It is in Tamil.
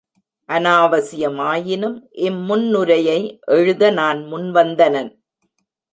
அனாவசியமாயினும் இம்முன்னுரையை எழுத நான் முன்வந்தனன்.